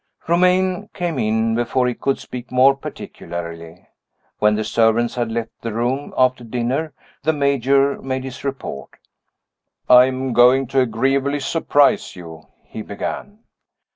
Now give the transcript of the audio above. Romayne came in before he could speak more particularly. When the servants had left the room, after dinner, the Major made his report. "I am going to agreeably surprise you," he began.